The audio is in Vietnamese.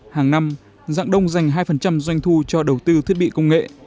hàng năm dạng đông dành hai doanh thu cho đầu tư thiết bị công nghệ